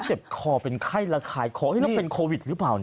เจ็บคอเป็นไข้ระคายคอแล้วเป็นโควิดหรือเปล่า